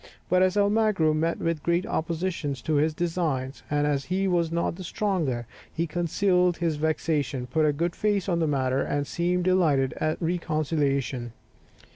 But as Almagro met with great opposition to his designs, and as he was not the stronger, he concealed his vexation, put a good face on the matter, and seemed delighted at a reconciliation.